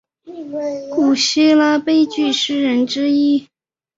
古希腊悲剧诗人之一。